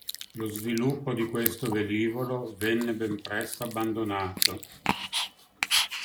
Lo sviluppo di questo velivolo venne ben presto abbandonato.